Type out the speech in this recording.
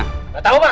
tidak tahu pak